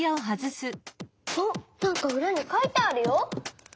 あっなんかうらに書いてあるよ。